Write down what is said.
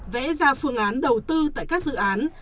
vẽ ra phương án đầu tư tại các dự án